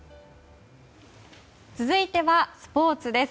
続いてはスポーツです。